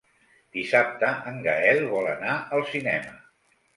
Dissabte en Gaël vol anar al cinema.